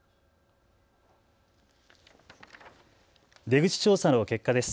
出口調査の結果です。